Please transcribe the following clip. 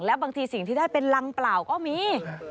และบางทีสิ่งที่ได้เป็นรังเปล่าก็มี